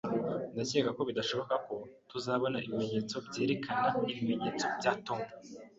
Ndacyeka ko bidashoboka ko tuzabona ibimenyetso byerekana ibimenyetso bya Tom